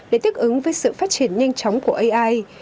để thích ứng với sự phát triển nhanh chóng của ai